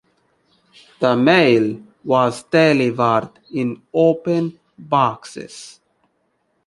The mail was delivered in open boxes.